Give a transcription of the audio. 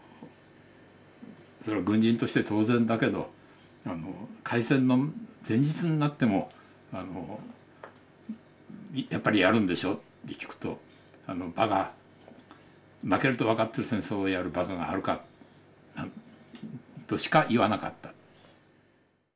それは軍人として当然だけど開戦の前日になっても「やっぱりやるんでしょ？」って聞くと「バカ！負けると分かってる戦争をやるバカがあるか」としか言わなかった。